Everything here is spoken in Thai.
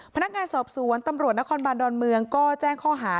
พนักงานสอบสวนตำรวจนครบานดอนเมืองก็แจ้งข้อหา